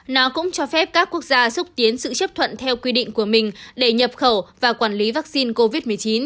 nó cũng cho phép các quốc gia xúc tiến sự chấp thuận theo quy định của mình để nhập khẩu và quản lý vaccine covid một mươi chín